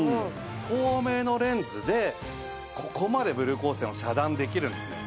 透明のレンズでここまでブルー光線を遮断できるんですね。